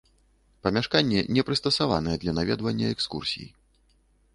Памяшканне не прыстасаванае для наведвання экскурсій.